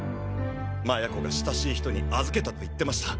麻也子が親しい人に預けたと言ってました！